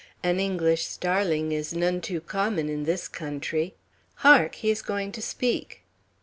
"An English starling is none too common in this country. Hark! he is going to speak."